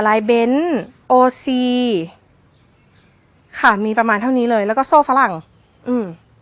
ลายเบนท์โอซีค่ะมีประมาณเท่านี้เลยแล้วก็โซ่ฝรั่งอืม